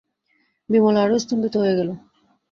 বিমলা আরো স্তম্ভিত হয়ে গেল।